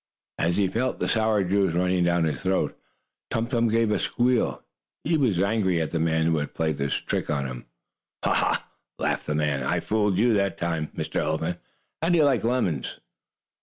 As he felt the sour juice running down his throat, Tum Tum gave a squeal. He was angry at the man who had played this trick on him. "Ha! Ha!" laughed the man. "I fooled you that time, Mr. Elephant. How do you like lemons?"